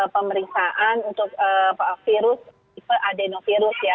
pemeriksaan untuk virus tipe adenovirus ya